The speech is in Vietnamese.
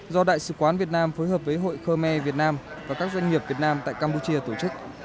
do đại sứ quán việt nam phối hợp với hội khơ me việt nam và các doanh nghiệp việt nam tại campuchia tổ chức